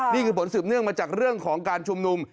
นี่คือผลสืบเนื่องมาจากเรื่องของการชุมนุม